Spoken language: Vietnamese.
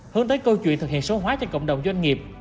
hướng tới câu chuyện thực hiện số hóa cho cộng đồng doanh nghiệp